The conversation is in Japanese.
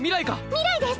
未来です。